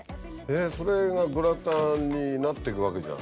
それがグラタンになってくわけじゃん。